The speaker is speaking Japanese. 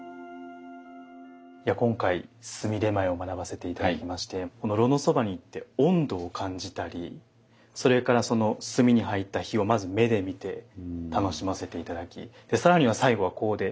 今回炭手前を学ばせて頂きましてこの炉のそばに行って温度を感じたりそれからその炭に入った火をまず目で見て楽しませて頂き更には最後は香で嗅覚も。